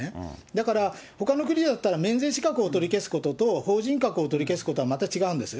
だから、ほかの国だったら、免税資格を取り消すことと、法人格を取り消すことはまた違うんです。